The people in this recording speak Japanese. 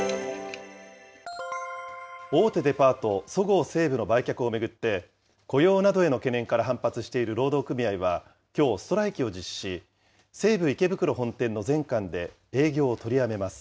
大手デパート、そごう・西武の売却を巡って、雇用などへの懸念から反発している労働組合はきょう、ストライキを実施し、西武池袋本店の全館で営業を取りやめます。